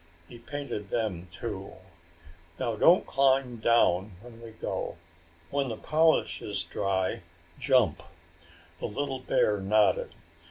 He painted them, too. "Now don't climb down when we go, Baba! When the polish is dry, jump." The little bear nodded.